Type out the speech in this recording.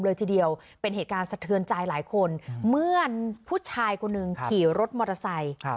เลยทีเดียวเป็นเหตุการณ์สะเทือนใจหลายคนเมื่อผู้ชายคนหนึ่งขี่รถมอเตอร์ไซค์